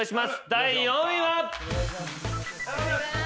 第４位は。